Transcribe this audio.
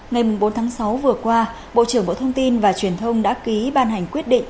ngày bốn tháng sáu vừa qua bộ trưởng bộ thông tin và truyền thông đã ký ban hành quyết định